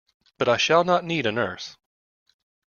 But I shall not need a nurse.